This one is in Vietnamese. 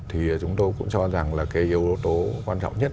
thì chúng tôi cũng cho rằng là cái yếu tố quan trọng nhất